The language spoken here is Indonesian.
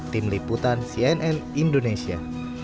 tim liputan cnn indonesia